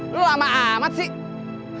lu lama amat sih